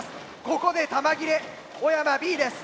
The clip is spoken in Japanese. ここで弾切れ小山Ｂです。